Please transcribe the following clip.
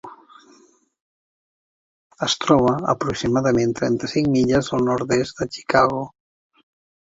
Es troba aproximadament trenta-cinc milles al nord-oest de Chicago.